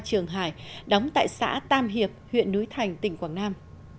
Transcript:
trường hải đóng tại xã tam hiệp huyện núi thành tỉnh quảng nam